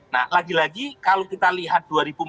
nah lagi lagi kalau kita lihat dua ribu empat belas